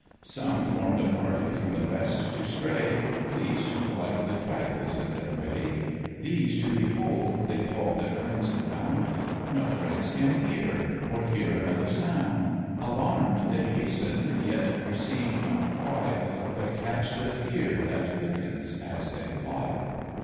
Some form'd a party from the rest to stray, Pleased to collect the trifles in their way; These to behold they call their friends around, No friends can hear, or hear another sound; Alarm'd, they hasten, yet perceive not why, But catch the fear that quickens as they fly.